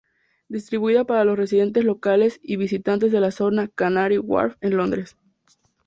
Distribuida para los residentes locales y visitantes de la zona "Canary Wharf" en Londres.